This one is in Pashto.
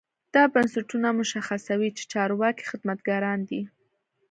دا بنسټونه مشخصوي چې چارواکي خدمتګاران دي.